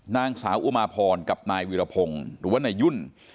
นางสาวอุมาพรกับนายวิรพงศ์หรือว่านายยุ่น